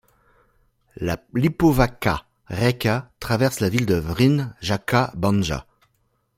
La Lipovačka reka traverse la ville de Vrnjačka Banja.